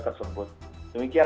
terima kasih mbak dya